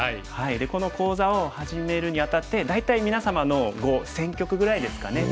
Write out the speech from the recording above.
この講座を始めるにあたって大体皆様の碁１，０００局ぐらいですかね